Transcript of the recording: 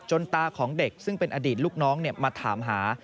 ตาของเด็กซึ่งเป็นอดีตลูกน้องมาถามหา